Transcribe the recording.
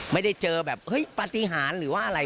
ไม่ได้เจอแบบเฮ้ยปฏิหารหรือว่าอะไร